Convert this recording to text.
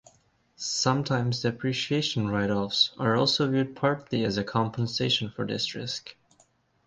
Sometimes depreciation write-offs are also viewed partly as a compensation for this risk.